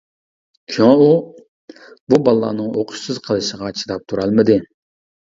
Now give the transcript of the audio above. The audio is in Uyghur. شۇڭا، ئۇ بۇ بالىلارنىڭ ئوقۇشسىز قېلىشىغا چىداپ تۇرالمىدى.